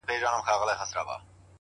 مخ ته يې اورونه ول شاه ته پر سجده پرېووت